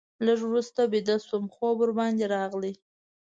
لږ وروسته بیده شوم، خوب ورباندې راغی.